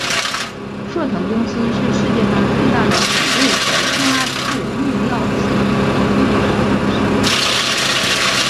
硕腾公司是世界上最大的宠物和家畜用药品和疫苗厂商。